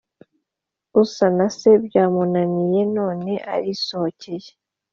usanase byamunaniye none arisohokeye